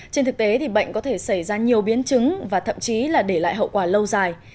trên thực tế thì bệnh có thể xảy ra nhiều biến chứng và thậm chí là để lại hậu quả lâu dài